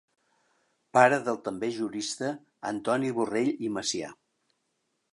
Pare del també jurista Antoni Borrell i Macià.